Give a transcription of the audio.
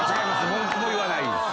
文句も言わないです。